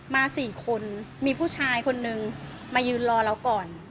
มาสี่คนมีผู้ชายคนนึงมายืนรอแล้วก่อน